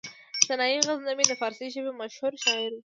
سنايي غزنوي د فارسي ژبې مشهور شاعر و.